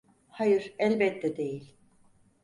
Hayır, elbette değil.